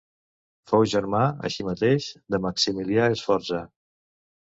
Fou germà, així mateix, de Maximilià Sforza.